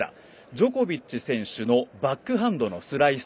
ジョコビッチ選手のバックハンドのスライス。